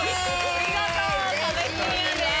見事壁クリアです。